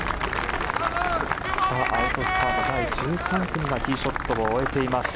アウトスタートから１３組がティーショットを終えています。